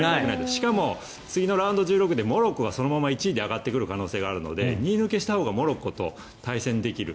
しかもそのあとのラウンドでモロッコがそのまま１位で上がってくる可能性があるので２位抜けしたほうがモロッコと対戦できる。